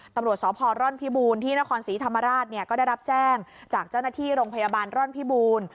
ตำรวจสพร่อนพิบูรณ์ที่นครศรีธรรมราชเนี่ยก็ได้รับแจ้งจากเจ้าหน้าที่โรงพยาบาลร่อนพิบูรณ์